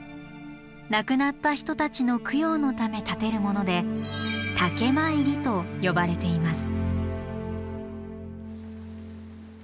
亡くなった人たちの供養のため立てるもので「岳参り」と呼ばれています。